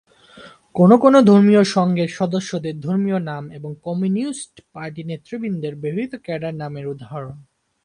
কোনো কোনো ধর্মীয় সংঘের সদস্যদের ধর্মীয় নাম এবং কমিউনিস্ট পার্টি নেতৃবৃন্দের ব্যবহৃত "ক্যাডার নাম" এর উদাহরণ।